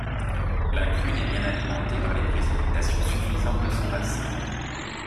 La Crusnes est bien alimentée par les précipitations suffisantes de son bassin.